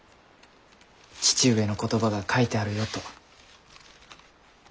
「父上の言葉が書いてあるよ」と。